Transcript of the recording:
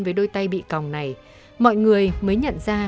với đôi tay bị còng này mọi người mới nhận ra